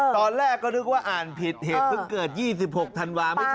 ตอนแรกก็นึกว่าอ่านผิดเหตุเพิ่งเกิด๒๖ธันวาคม